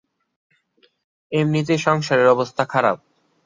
এমনিতেই সংসারের অবস্থা খারাপ।